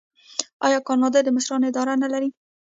آیا کاناډا د مشرانو اداره نلري؟